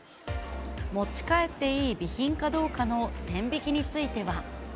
持ち帰っていい備品かどうかの線引きについては。